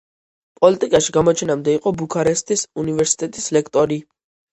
პოლიტიკაში გამოჩენამდე იყო ბუქარესტის უნივერსიტეტის ლექტორი.